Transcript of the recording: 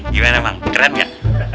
gimana bang keren kan